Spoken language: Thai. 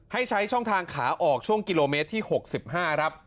ให้ใช้ช่องทางขาออกช่วงกิโลเมตรที่๖๕ครับ